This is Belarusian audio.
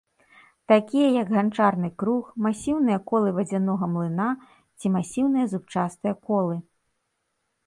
Такія як ганчарны круг, масіўныя колы вадзянога млына ці масіўныя зубчастыя колы.